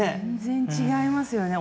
全然違いますよね。